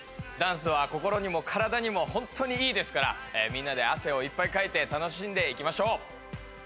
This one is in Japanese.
ダンスは心にもカラダにもほんとにＥですからみんなであせをいっぱいかいて楽しんでいきましょう！